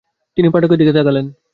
তিনি পাঠকের দিকে তাকালেন।